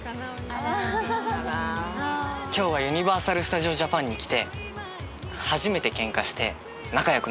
今日はユニバーサル・スタジオ・ジャパンに来て初めてケンカして仲良くなれた。